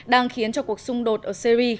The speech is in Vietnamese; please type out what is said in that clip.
đang khiến cho cuộc xung đột ở syria